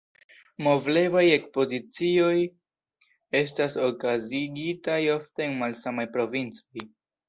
Moveblaj ekspozicioj estas okazigitaj ofte en malsamaj provincoj.